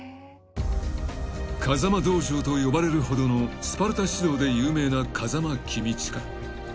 ［「風間道場」と呼ばれるほどのスパルタ指導で有名な風間公親］